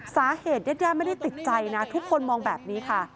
สาเหตุยัดยาไม่ได้ติดใจนะทุกคนมองแบบนี้ค่ะ